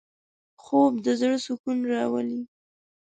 خوب د زړه سکون راولي